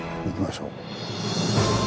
行きましょう。